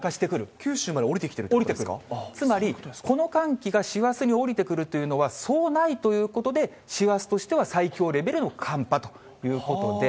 九州まで下りてくるというこそうです、つまり、この寒気が師走に下りてくるというのは、そうないということで、師走としては最強レベルの寒波ということで。